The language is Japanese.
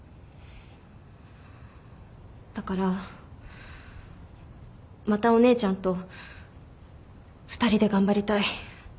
だからまたお姉ちゃんと２人で頑張りたい。